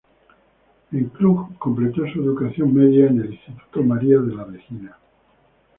En Cluj completó su educación media, en el Instituto Maria de la Regina.